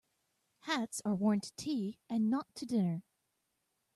Hats are worn to tea and not to dinner.